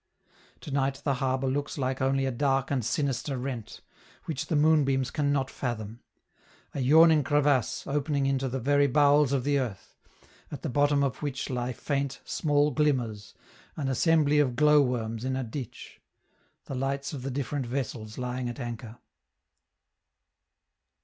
To night the harbor looks like only a dark and sinister rent, which the moonbeams can not fathom a yawning crevasse opening into the very bowels of the earth, at the bottom of which lie faint, small glimmers, an assembly of glowworms in a ditch the lights of the different vessels lying at anchor.